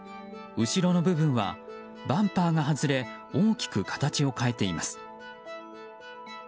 後ろの部分はバンパーが外れ大きく形を変えています。